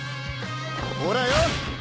ほらよ！